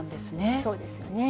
そうですよね。